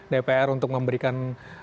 dpr untuk memberikan